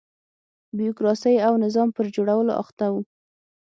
بیروکراسۍ او نظام پر جوړولو اخته و.